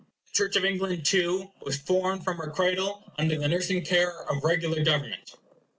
The Church of England too was formed from her cradle under the nursing care of regular government.